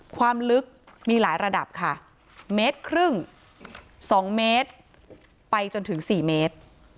ความลึกมีหลายระดับค่ะเมตรครึ่ง๒เมตรไปจนถึง๔เมตร